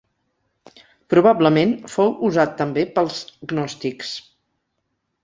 Probablement fou usat també pels gnòstics.